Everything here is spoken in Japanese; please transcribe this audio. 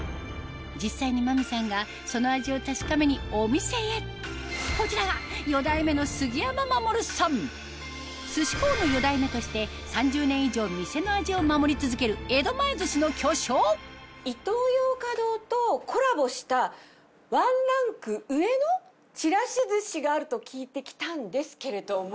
実際に真美さんがその味を確かめにお店へこちらが寿司幸の四代目として江戸前寿司の巨匠イトーヨーカドーとコラボしたワンランク上のちらし寿司があると聞いて来たんですけれども。